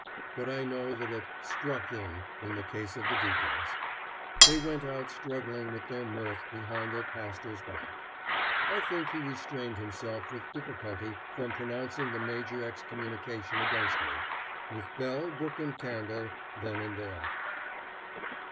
But I know that it "struck in" in the case of the deacons. They went out struggling with their mirth behind their pastor's back. I think he restrained himself with difficulty from pronouncing the major excommunication against me, with bell, book, and candle, then and there.